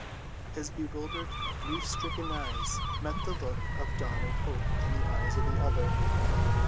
His bewildered, grief‐stricken eyes met the look of dawning hope in the eyes of the other.